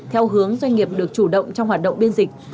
theo hướng doanh nghiệp được chủ động trong hoạt động biên dịch